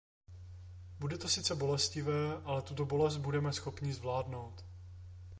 Bude to sice bolestivé, ale tuto bolest budeme schopni zvládnout.